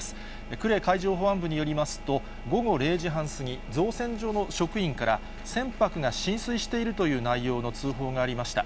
呉海上保安部によりますと、午後０時半過ぎ、造船所の職員から船舶が浸水しているという内容の通報がありました。